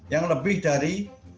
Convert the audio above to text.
yang lebih dari